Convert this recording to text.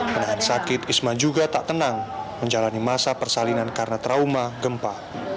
menahan sakit isma juga tak tenang menjalani masa persalinan karena trauma gempa